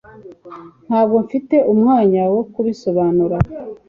Ntabwo mfite umwanya wo kubisobanura